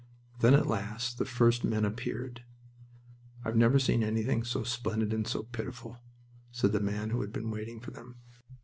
Then at last the first men appeared. "I've never seen anything so splendid and so pitiful," said the man who had been waiting for them.